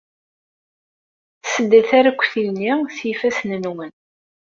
Ssdet arekti-nni s yifassen-nwen.